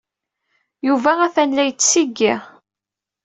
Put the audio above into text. Yuba atan la yettsiggi.